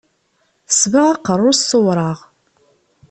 Tesbeɣ aqerru-s s uwraɣ.